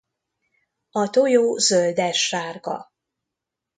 A tojó zöldessárga.